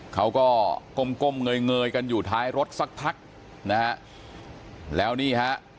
ก้มก้มเงยเงยกันอยู่ท้ายรถสักพักนะฮะแล้วนี่ฮะ